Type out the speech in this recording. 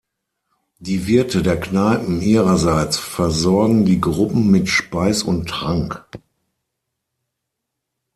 Die Wirte der Kneipen ihrerseits versorgen die Gruppen mit Speis und Trank.